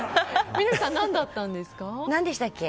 南さん、何だったんですか？